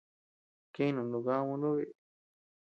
Kinü nubdamauʼu nuku biʼi.